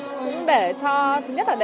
cũng để cho chính nhất là để ông bà